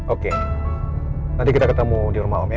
oke nanti kita ketemu di rumah om ya